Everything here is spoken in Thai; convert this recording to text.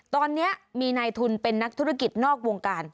ตอนนี้มีนายทุนเป็นนักธุรกิจนอกวงการ